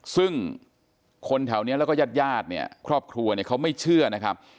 ซึ่งคนแถวนี้แล้วก็ญาติญาติเนี่ยครอบครัวเนี่ยเขาไม่เชื่อนะครับ